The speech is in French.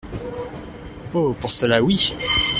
Oh ! pour cela oui.